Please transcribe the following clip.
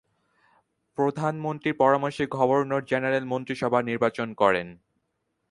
প্রধানমন্ত্রীর পরামর্শে governor general মন্ত্রিসভা নির্বাচন করেন।